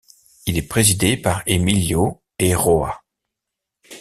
Il est présidé par Emilio Eiroa.